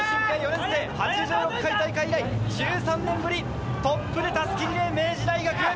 ８６回大会以来１３年ぶり、トップで襷リレー、明治大学。